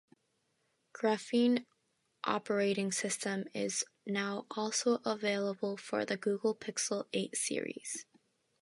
Graphene Operating System is now also avaiable for the Google Pixel eight series.